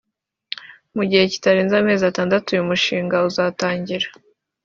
mu gihe kitarenze amezi atandatu uyu mushinga uzatangira